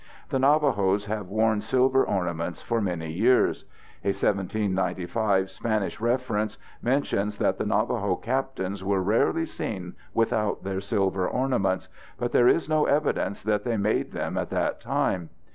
The Navajos have worn silver ornaments for many years. A 1795 Spanish reference mentions that the Navajo captains were rarely seen without their silver ornaments, but there is no evidence that they made them at that time.